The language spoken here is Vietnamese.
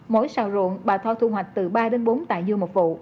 mỗi sào ruộng bà tho thu hoạch từ ba đến bốn tạ dưa một vụ